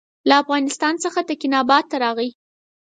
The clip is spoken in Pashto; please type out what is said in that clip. له افغانستان څخه تکیناباد ته راغی.